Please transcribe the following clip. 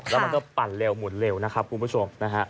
แล้วมันก็ปั่นเร็วหมุนเร็วนะครับคุณผู้ชมนะฮะ